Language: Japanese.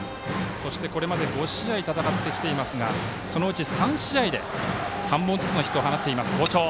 そして、これまで５試合戦ってきていますがそのうち３試合で３本ずつのヒットを放っています。